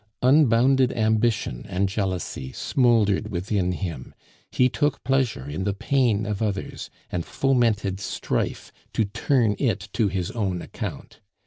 Unbounded ambition and jealousy smouldered within him; he took pleasure in the pain of others, and fomented strife to turn it to his own account.